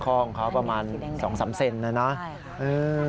ตอนแรกก็ไม่แน่ใจนะคะ